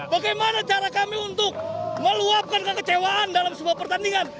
bagaimana cara kami untuk meluapkan kekecewaan dalam sebuah pertandingan